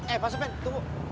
eh masa pen tunggu